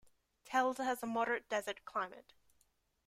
Telde has a moderate desert climate.